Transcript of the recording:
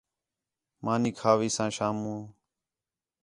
مانی کھاویساں شامو